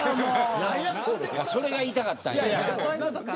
それが言いたかったんや。